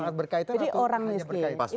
sangat berkaitan atau hanya berkaitan